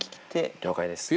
了解です。